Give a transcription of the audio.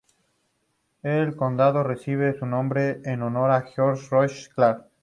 El condado recibe su nombre en honor a George Rogers Clark.